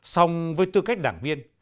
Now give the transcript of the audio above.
sòng với tư cách đảng viên